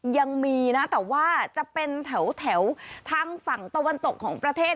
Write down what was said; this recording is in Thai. ยังมีนะแต่ว่าจะเป็นแถวทางฝั่งตะวันตกของประเทศ